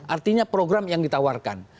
artinya program yang ditawarkan